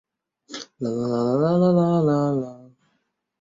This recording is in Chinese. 文策尔一世同意调停此次冲突。